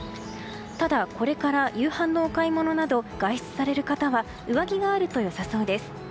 ただ、これから夕飯のお買い物など外出される方は上着があると良さそうです。